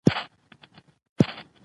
ـ ړوند له خدايه څه غواړي، دوې سترګې.